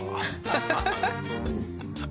ハハハハ！